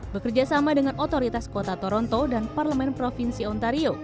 bekerjasama dengan otoritas kota toronto dan parlemen provinsi ontario